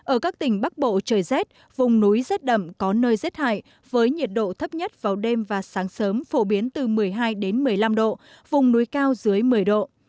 ở các tỉnh bắc bộ trời rét vùng núi rét đậm có nơi rét hại với nhiệt độ thấp nhất vào đêm và sáng sớm phổ biến từ một mươi hai một mươi năm độ vùng núi cao dưới một mươi độ